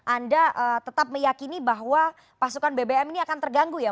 anda tetap meyakini bahwa pasokan bbm ini akan terganggu ya